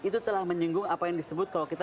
itu telah menyinggung apa yang disebut kalau kita